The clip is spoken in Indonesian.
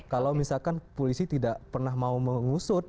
kalau misalkan polisi tidak pernah mau mengusut